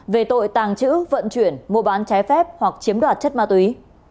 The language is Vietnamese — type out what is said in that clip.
về tội tàng trữ vận chuyển mua bán trái phép hoặc chiếm đoạt chất ma túy